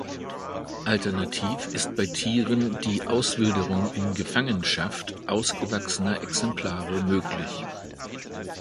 Alternativ ist bei Tieren die Auswilderung in Gefangenschaft aufgewachsener Exemplare möglich.